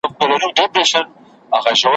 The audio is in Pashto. هغومره اوږدیږي `